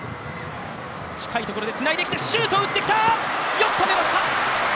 よく止めました！